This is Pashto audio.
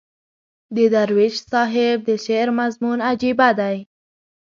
د درویش صاحب د شعر مضمون عجیبه دی.